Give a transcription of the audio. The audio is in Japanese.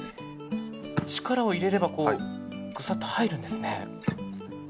力を入れればこうグサッと入るんですね。